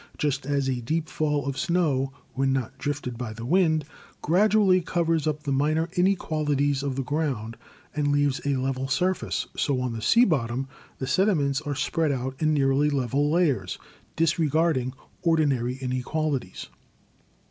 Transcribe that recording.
Just as a deep fall of snow, when not drifted by the wind, gradually covers up the minor inequalities of the ground and leaves a level surface, so on the sea bottom the sediments are spread out in nearly level layers, disregarding ordinary inequalities.